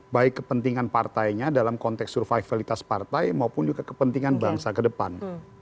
baik kepentingan partainya dalam konteks survivalitas partai maupun juga kepentingan bangsa ke depan